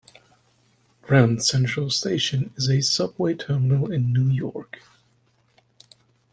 Grand Central Station is a subway terminal in New York.